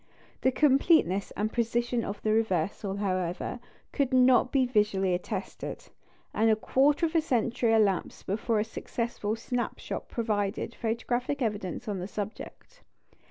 The completeness and precision of the reversal, however, could not be visually attested; and a quarter of a century elapsed before a successful "snap shot" provided photographic evidence on the subject.